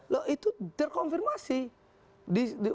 loh itu terkonfirmasi